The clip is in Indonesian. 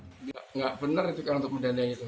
tidak benar itu untuk mendana itu